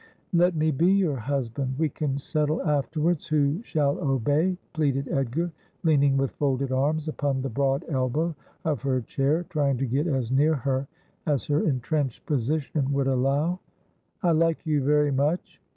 ' Let me be your husband ; we can settle afterwards who shall obey,' pleaded Edgar, leaning with folded arms upon the broad elbow of her chair, trying to get as near her as her entrenched position would allow. ' I like you very much.